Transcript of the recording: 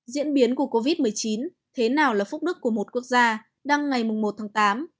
diễn biến của covid một mươi chín thế nào là phúc đức của một quốc gia đăng ngày một tháng tám